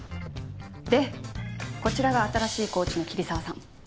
でこちらが新しいコーチの桐沢さん。